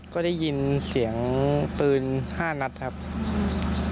ก็ได้ยินเสียงปืนห้านัดครับ